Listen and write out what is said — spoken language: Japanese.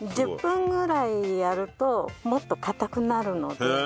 １０分ぐらいやるともっと硬くなるので。